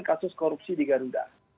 kasus korupsi di garuda